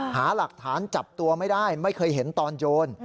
หาหลักฐานจับตัวไม่ได้ไม่เคยเห็นตอนโยน